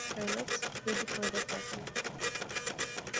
Her lips ready for the kiss!